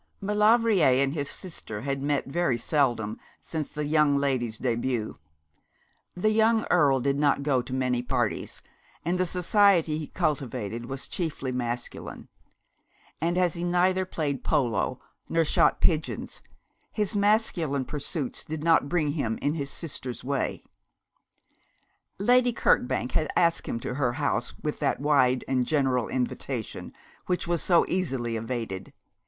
Maulevrier and his sister had met very seldom since the young lady's début. The young Earl did not go to many parties, and the society he cultivated was chiefly masculine; and as he neither played polo nor shot pigeons his masculine pursuits did not bring him in his sister's way. Lady Kirkbank had asked him to her house with that wide and general invitation which is so easily evaded.